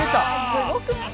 すごくない？